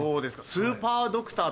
スーパードクター。